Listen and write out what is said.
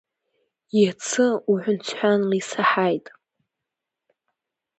Иацы уҳәансҳәанла исаҳаит.